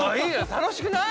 楽しくない？